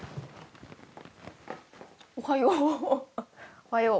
おはよう。